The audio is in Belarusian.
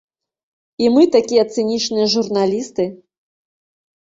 І мы такія цынічныя журналісты.